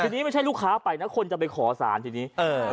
ทีนี้ไม่ใช่ลูกค้าไปนะคนจะไปขอสารทีนี้เออ